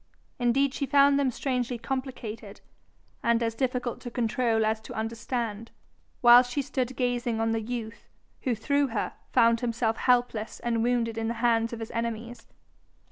Indeed she found them strangely complicated, and as difficult to control as to understand, while she stood gazing on the youth who through her found himself helpless and wounded in the hands of his enemies.